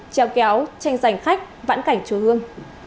treo kéo tranh giành khách vãn cảnh chùa hương